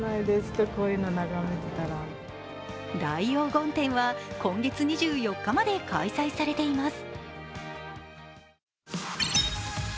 大黄金展は今月２４日まで開催されています。